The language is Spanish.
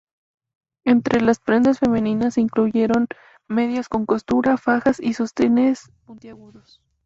Entre las prendas femeninas se incluyeron medias con costura, fajas y sostenes puntiagudos.